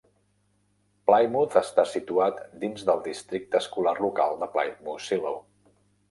Plymouth està situat dins del districte escolar local de Plymouth-Shiloh.